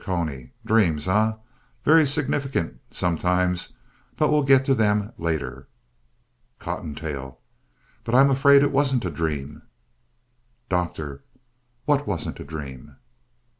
CONY Dreams, eh? Very significant, sometimes, but we'll get to them later. COTTONTAIL But I'm afraid it wasn't a dream. DOCTOR What wasn't a dream?